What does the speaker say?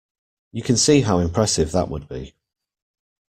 You can see how impressive that would be.